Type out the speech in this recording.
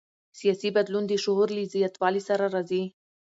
سیاسي بدلون د شعور له زیاتوالي سره راځي